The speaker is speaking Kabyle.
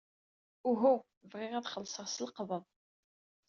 Uhu. Bɣiɣ ad xellṣeɣ s lqebḍ.